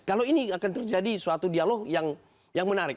kalau ini akan terjadi suatu dialog yang menarik